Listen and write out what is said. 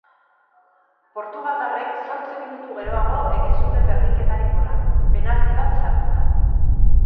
Portugaldarrek zortzi minutu geroago egin zuten berdinketaren gola, penalti bat sartuta.